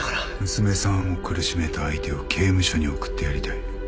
娘さんを苦しめた相手を刑務所に送ってやりたい。